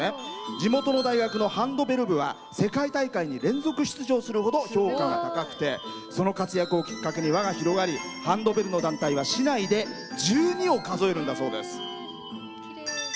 地元の大学のハンドベル部は世界大会に連続出場するほど評価が高くてその活躍をきっかけに輪が広がりハンドベルの団体は市内で１２を数えるんだそうです。